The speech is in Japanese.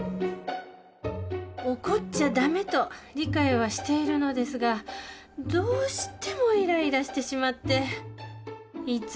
怒っちゃダメと理解はしているのですがどうしてもイライラしてしまっていつも自己嫌悪です